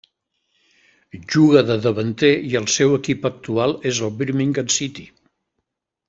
Juga de davanter i el seu equip actual és el Birmingham City.